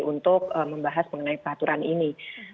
untuk membahas mengenai peraturan ini